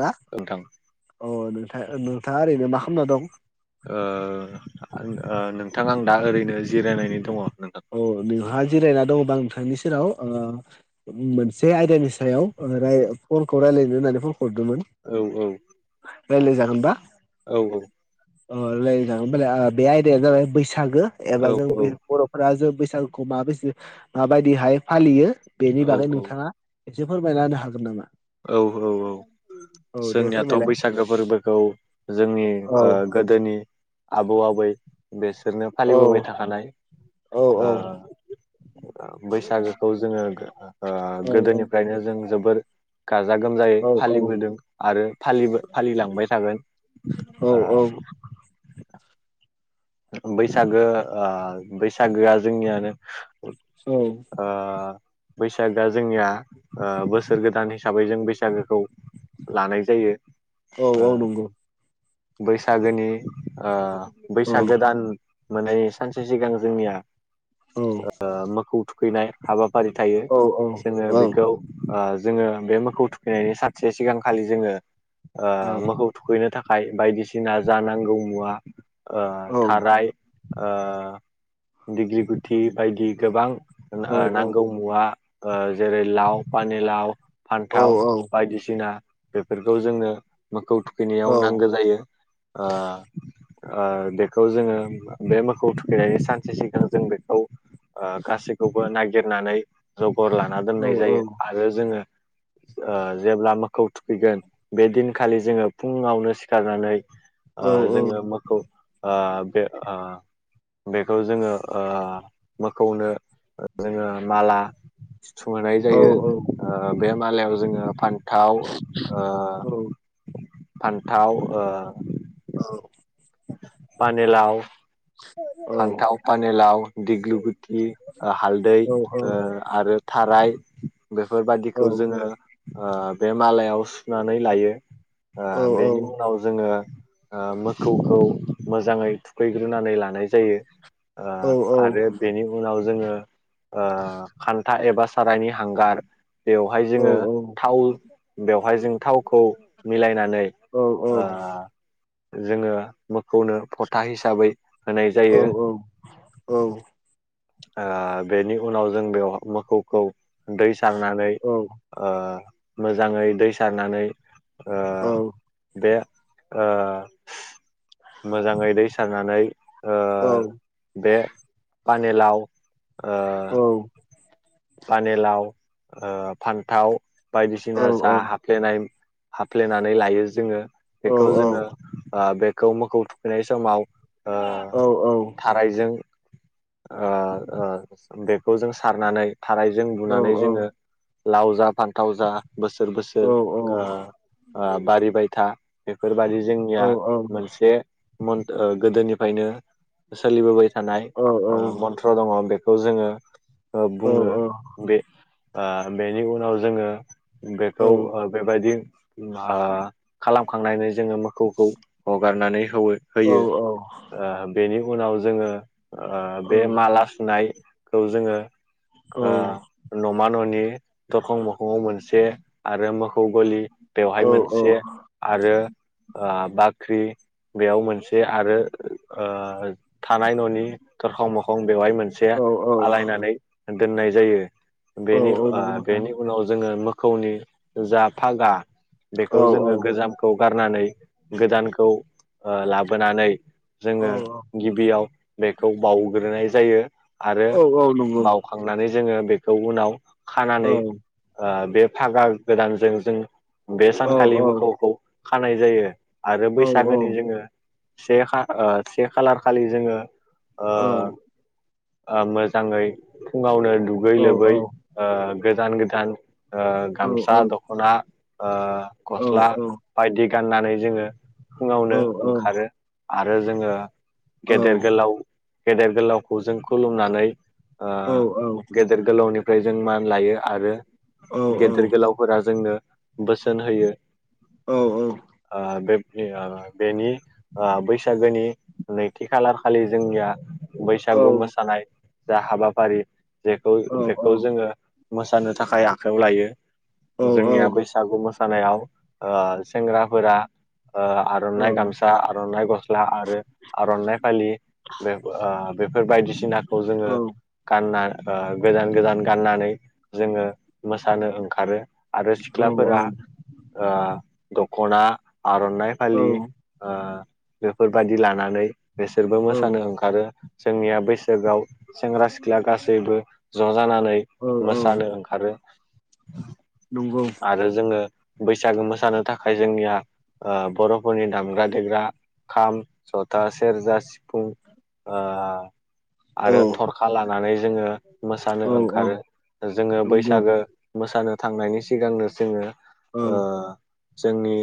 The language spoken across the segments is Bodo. ना नोंथां अ नोंथ नोंथाङा ओरैनो मा खालामना दं? ओ नोंथां आं दा ओरैनो जिरायनानै दङ। नोंथां औ नोंथाङा हाय जिरायनानै दं बा नोंथांनि सेराव ओ मोनसे आयदानि सायाव फनखौ रायलायनो होननानै फन हरदोंमोन औ रायज्लाय जागोनबा? औ औ अ रायलाय जागोन होनबालाय ओ बे आयदाया जाबाय बैसागो एबा औ जों बर' दा जों बैसागुखौ माब माबायदिहाय फालियो बेनि औ बागै नोंथाङा एसे फोरमायनाानो हागोन नामा? औ औ औ औ दे जोंनियाथ' फोरमायलाय बैसागो फोरबोखौ जोंनि औ ओ गोदोनि आबौ आबै बेसोरनो औ फालिबोबाय थाखानाय औ ओ औ बैसागोखौ जोङो औ गोदोनिफ्रायनो जों जोबोर गाजा गोमजायै औ फालिबोदों आरो फालिबो फालिलांबाय थागोन। औ औ ओ बैसागो ओ बैसागोआ जोंनियानो औ अ बैसागआ जोंनिया ओ बोसोर गोदान हिसाबै जों बैसागो लानाय जायो औ ओ औ नंगौ बैसागोनि ओ औ फिसा गोदान माने सानसे सिगां जोंनिया औ ओ मोखौ थुखैनाय हाबाफारि थायो जोङो बेखौ ओ जोङो बे मोखौ थुखैनायनि सासे सिगांखालि जोङो ओ मोखौ थुखैनो थाखाय बायदिसिना जानांगौ मुवा ओ थाराय ओ दिग्लि लिथि बायदि गोबां ओ नांगौ मुवा ओ जेरै लाव पानि लाव फान्थाव बायदिसिना बेफोरखौ जोंनो मोखौ थुखैनायाव नांगौ जायो ओ ओ बेखौ जोङो बे मोसौ थुखैनायनि सानसे सिगां जों बेखौ ओ गासैखौबो नागिरनानै जबर लाना दोननाय जायो आरो जोङो ओ जेब्ला मोखौ थुखैगोन बे दिनखालि जोङो फुङावनो सिखारनानै ओ जोङो मोखौ ओ बे ओ बेखौ जोङो ओ मोखौनो जोङो माला सुंहोनाय जायो ओ बे मालायाव जोङो पानि फान्थाव ओ फान्थाव ओ पानियालाव फान्थाव पानलाव दिग्लुगुथि ओ हालदै ओ आरो थाराय बेफोरबादिखौ जोङो ओ बे मालायाव सुनानै लायो। ओ बेनि उनाव जोङो ओ मोखौखौ मोजाङै थुखैग्रोनानै लानाय जायो आरो ओ बेनि उनाव जोङो ओ खान्था एबा सारायनि हांगार बेवहाय जोङो थाव बेवहाय जों थावखौ मिलायनानै ओ जोङो मोखौनो फथा हिसाबै होनाय जायो। ओ बेनि उनाव जों बेयाव मोखौखौ दै सारनानै ओ मोजाङै दै सारनानै ओ बे ओ मोजाङै दै सारनानै ओ बे पानेलाव ओ पानिलाव ओ फान्थाव बायदिसिना जा हाफ्लेनाय हाफ्लेनानै लायो जोङो बेखौ जोङो ओ बेखौ मोखौ थुखैनाय समाव ओ औ औ थारायजों ओ बेखौ जों सारनानै थारायजों बुनानै जोङो लाव जा फान्थाव जा बोसोर बोसोर ओ ओ बारिबाय था बेफोरबादि जोंनिया मोनसे मोन ओ गोदोनिफ्रायनो सोलिबोबाय थानाय ओ मन्थ्र दङ बेखौ जोङो ओ बुङो। बे बेनि उनाव जोङो बेखौ बेबायदि ओ खालाम खांनानै जोङो मोखौखौ हगारनानै होयो ओ बेनि उनाव जोङो ओ बे माला सुनायखौ जोङो ओ न'मा न'नि दरखं मोखङाव मोनसे आरो मोखौ गलि बेवहाय मोनसे आरो ओ बाख्रि बेयाव मोनसे आरो थानाय न'नि दरखं मोखां बेवहाय मोनसे आलायनानै दोननाय जायो। बेनि ओ बेनि उनाव जोङो मोखौनि जा फागा औ बेखौ जोङो गोजामखौ गारनानै गोदानखौ ओ लाबोनानै औ जोङो गिबियाव बेखौ बावग्रोनाय जायो। आरो औ औ नंगौ। बावखांनानै जोङो बेखौ उनाव औ खानानै ओ बे फागा गोदानजों जों बे औ सानखालि औ मोखौखौ खानाय जायो आरो औ बैसागोनि जोङो से खा ओ से खालार खालि जोङो ओ औ ओ मोजाङै फुङावनो दुगै औ औ लोबै ओ गोजान गोदान ओ औ गामसा दख'ना ओ गस्ला बायदि गाननानै जोङो फुङावनो ओंखारो आरो जोङो गेदेर गोलाव गेदेर गोलावखौ जों खुलुमनानै ओ गेदेर गोलावनि फ्राय जों मा लायो आरो गेदेर गोलावफोरा जोंनो बोसोन होयो। औ आ बे बे ओ बेनि ओ बैसागोनि नैथि खालार खालि जोंनिया बैसागु मोसानाय जा हाबाफारि जेखौ बेखौ जोङो मोसानो थाखाय आखायाव लायो। औ औ जोंनिया बैसागु मोस सानायाव ओ सेंग्राफोरा ओ आर'नाइ औ गामसा, आर'नाइ गस्ला आरो आर'नाइ फालि बे ओ बेफोर बायदिसिनाखौ जोङो आ ओ गोजान गोजान गाननानै जोङो मोसानो ओंखारो आरो सिख्लाफोरा ओ दख खना आर'नाइ फालि ओ बेफोरबायाददि लानानै बेसोरबो मोसानो ओंखारो। जोंनिया बैसागआव सेंग्रा सि ख्ला गासैबो ज' जानानै मोसानो ओंखारो। नंगौ आरो जोङो बैसागो मोसानो थाखाय जोंनिया ओ बर'फोरनि दामग्रा देग्रा खाम, जथा, सेरजा, सिफुं आ औ आरो थरखा लानानै जोङो मोसानो औ औ ओंखारो। जोङो नंगौ बैसागो मोसानो थांनायनि सिगांनो जोङो औ ओ जोंनि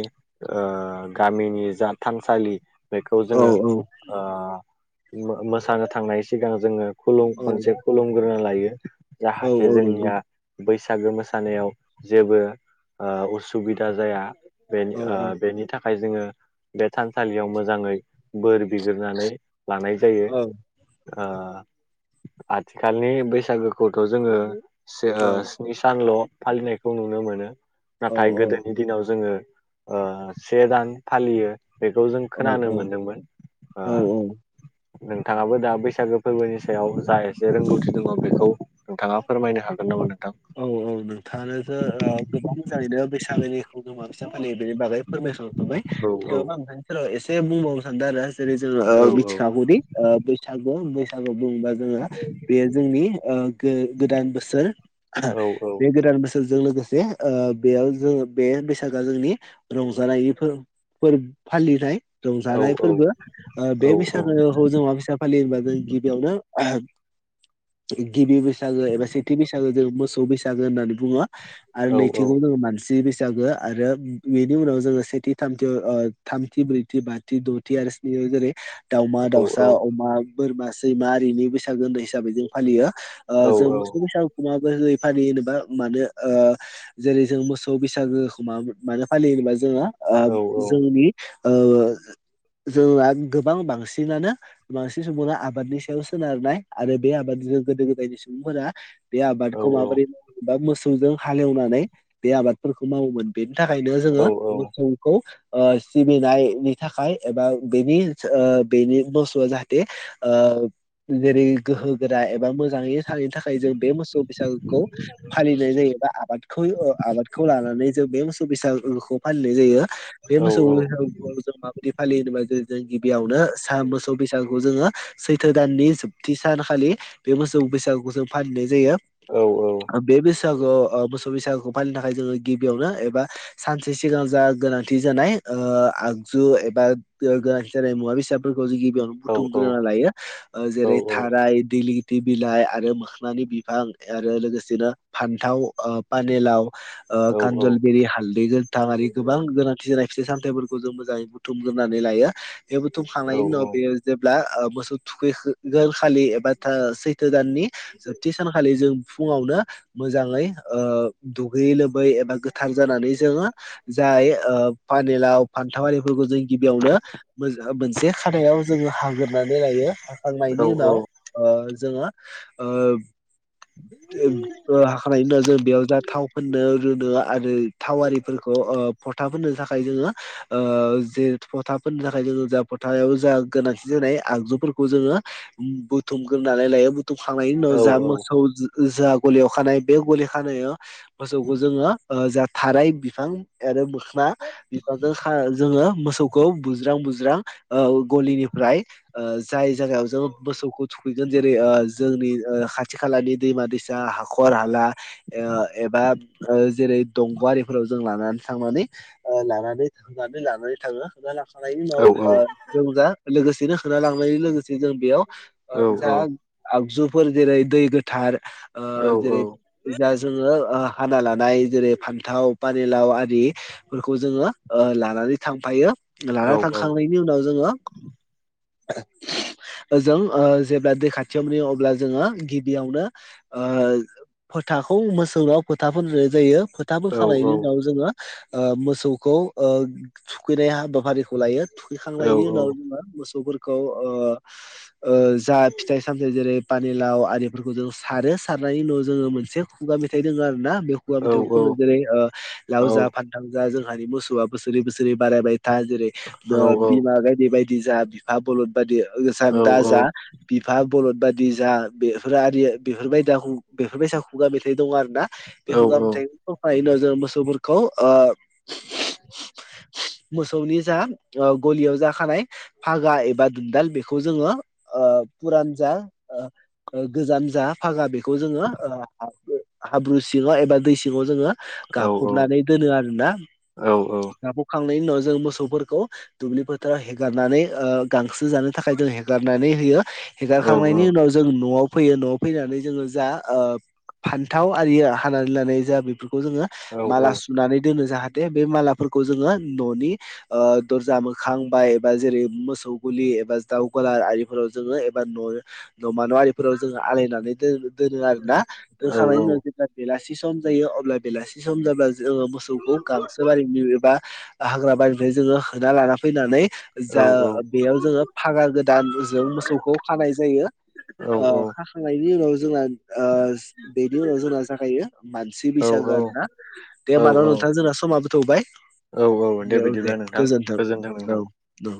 ओ गामिनि जा थानसालि बेखौ औ औ नंगौ औ जोङो औ ओ मो-मोसानो थांनाय सिगां जोङो खुलुम खनसे खुलुमग्रोना लायो जाहाथे जोंनिया बैसागो मोसानायाव जेबो ओ उसुबिदा जाया बेनि ओ बेनि था खाय जोङो बे थानसालियाव मोजाङै बोर बिगोरनानै लानाय औ जायो। ओ आथिखालनि बैसागोखौथ' जोङो सो ओ स्नि सानल' फालिनायखौ नुनो मोनो नाथाय गोदोनि दिनाव जोङो ओ से दान फालियो। बेखौ जों औ खोनानो मोनदोंमोन। ओ औ औ नोंथाङाबो दा बैसागो फोरबोनि सायाव जा एसे रोंगौथि दङ बेखौ नोंथाङा फोरमायनो हागोन नामा नों औ औ नोंथाङानोथो ओ गोबां मोजाङैनो बैसागोनि [unintelligible] माबैसा फालियो बेनि बागै फोरमाय खांखाबाय थेवबाबो आं नोंथांनि सोराव एसे बुंबावनो सानदों आरो। जेरै जोङो ओ मिथिखागौदि ओ बैसागु बैसागु बुंबा जोङो बेयो जोंनि ओ गो-गोदान बोसोर बे गोदान बोसोरजों लोगोस से ओ बेयाव जों बे बैसागोआ जोंनि रंजानायनि फोर फोर फालिनाय रंजानाय फोरबो ओ बे बैसागोखौ जों माबैसा फालियो होनबा जों गिबियावनो गिबि बैसागो एबा सेथि बैसागो जों मोसौ बैसागो होननानै बुङो। आरो नैथिखौ जोङो मानसि बै सागो आरो बेनि उनाव जोङो सेथि थामथि ओ थामथि ब्रैथि बाथि द'थि आरो स्नि- जेरै दावमा दाउसा अमा बोरमा सैमा आरिनि बैसागो होननाय हिसाबै जों फालियो। ओ जों मोसौ बैसागोखौ माबोरै फालियो होनोबा मानो ओ जेरै जों मोसौ बैसागोखौ मा मानो फालियो होनोबा जोङो ओ जोंनि ओ जोंहा गोबां बांसिनानो बांसिन समावनो आबादनि सायाव सोनारनाय आरो बे आबाद गोदो गोदायनि सुबुंफोरा बे आबाद खौ माबोरै मावो बा मोसौजों हालेवनानै बे आबादफोरखौ मावोमोन बेनि थाखायनो जोङो मोसौखौ ओ सिबिनायनि थाखाय एबा बेनि ओ बेनि मोसौआ जाहाथे ओ जेरै गोहोगोरा एबा मोजाङै थानायनि थाखाय जों बे मोसौ बैसागोखौ फालिनाय जायो बा आबादखौ ओ आबादखौ लानानै जों बे मोसौ बैसागोखौ फालिनाय जायो बे मोसौ बैसागुआव जों माबायदि फालियो होनोबा जेरै जों गिबियावनो साहा मोसौ बैसागुखौ जोङो सैथो दाननि जोबथि सानखालि बे मोसौ बैसागुखौ जों फालिनाय जायो। औ औ बैसागु ओ मोसौ बैसागुखौ फालिनो थाखाय जोङो गिबियावनो एबा सानसे सिगां जा गोनांथि जानाय ओ आगजु एबा ओ गोनांथि जानाय मुवा बेसादफोर- खौ जों गिबियावनो बुथुमग्रोना लायो ओ जेरै थाराय दैलि- ति बिलाइ आरो मोखोननि बिफां आरो लोगोसेनो फान्थाव ओ पानेलाव ओ कान्जलबेरि हालदै गोथां आरि गोबां गोनांथि जानाय फिथाइ सामथायाइफोरखौ जों मोजाङै बुथुमग्रोनानै लायो बे बुथुमखांनायनि उनाव बेयो जेब्ला ओ मोसौ थुखैगोन खालि एबा सैथो दाननि जोबथि सान- खालि जों फुङावनो मोजाङै ओ दुगैयै लोबै एबा गोथार जानानै जोङो ओ जाय ओ पानेलाव फान्थाव आरिफोरखौ जों गिबियावनो मोनसे खादायाव जोङो हाग्रोनानै लायो हाखांनायनि उनाव ओ जोङो हाखनायनि उनाव जों बेयाव जा थाव फोननो रोनो आरो थावारिफोरखौ ओ फथाफोरनो थाखाय जोङो ओ जे फथाफोरनो थाखाय जोङो जा फथाव जा गोनांथि जायो आगजुफोरखौ जोङो बुथुमग्रोनानै लायो बुथुमखांनायनि उनाव जा मोसौ जा गलियाव खानाय बे गलि खानायाव मोसौखौ जोङो ओ जा थाराय बिफां आरो मोखोना बिफांजों जोङो मोसौखौ बुज्रां बुज्रां ओ गलिनिफ्राय जाय जायगायाव जोङो मोसौखौ थुखैगोन जेरै जोंनि खा खाथि खालानि दैमा दैसा हाखर हाला ओ ओ एबा ओ जेरै दंग'आरिफोराव जों लानानै थांनानै ओ लानानै थांनानै लानानै थाङो खांनि उनाव ओ जों जा लोगोसेनो खा लांनायनि लोगोसे जों बेयाव जा आगजुफोर जेरै दै गोथार आ जेरै जा जोङो ओ हाना लानाय जेरै फान्थाव पानिलाव आदिफोरखौ जोङो ओ लानानै थांफायो। लाना थांखांनायनि उनाव जोङो ओ जों ओ जेब्ला दै खाथियाव नुयो अब्ला जोङो बिदियावनो ओ फोथाखौ मोसौनायाव फोथा फोननाय जायो। फोथा फोनखांनायनि उनाव जोङो ओ मोसौखौ ओ थुखैनाय हाबाफारिखौ लायो। थुैखांनायनि उनाव जोङो मोसौफोरखौ खौ ओ ओ जा फिथाइ सामथ जेरै पानिलाव आरि बेफोरखौ जों सारो सारनायनि उनाव जोङो मोनसे खुगा मेथाइ दङ आरो। ना बे खुगा मेथाइखौ खनो जेरै ओ लाव जा फानथां जा जों जोंानि मोसौआ बोसोरै बोसोरै बारायबाय था जेरै बिमा गायदि बायदि जा बिफा बल बादि दा जा बिफा बरद बादि जा बे बेफोर आर बेफोरबाय दा बेफोरबायसा खुगा मेथाइ दं आरो ना। बे हुगा मेथाइफायनो जों मोसौफोरखौ ओ मोसौनि जा गलियाव जाखानाय फागा एबा दुनदाल बेखौ जोङो आ पुरानजा ओ गोजान जा फागा बेखौ जोङो हाब्रु सिङाव एबा दै सिङाव जोङो गाबफबनानै दोनो आरोना औ औ [unintelligible] नायनि उनाव जों मोसोफोरखौ दुब्लि फोथाराव हारनानै ओ गांसो जानो थाखाय हेगार होयो औ हेगारखांनायनि उनाव जों न'आव फैयो न'आव फैनानै जोङो जा ओ फान्थाव आरि ओ खानानै लानाय जा बेफोरखौ जोङो औ माला सुनानै दोनो जाहाथे दे बे मालाफोरखौ जोङो न'नि ओ दर्जा मोखांबाय बा जेरै मोसौ गुलि एबा दावगला आरिफोराव जोङो एबा न' नमान न' आरि फोराव जोङो आलायनानैोन दोनो आरोना औ औ दोनखांनायनि उनाव जेब्ला बेलासि बेसि सम जायो अब्ला बेलासि सम जाब्ला जोङो मोसौखौ गांसो बारिनि एबा हाग्रा बारिनिफ्राय जोङो होना लाना फैनानै औ जा बेयाव जोङो फागा गोदानजों मोसौखौ खानाय जायो। औ अ खाखांनायनि उनाव जोंना बेनि उनाव जोंना जाखायो मानसि बैसागो आर ना दे औ मानाव नोंथां जोंना समा थौबाय औ औ औ दे बिदिब्ला नोंथां गोजोन्थों गोजोनथों नोंथां औ औ